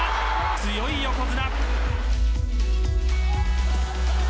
強い横綱。